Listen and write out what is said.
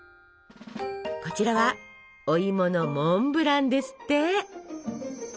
こちらはおいものモンブランですって！